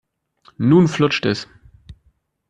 Nun flutscht es.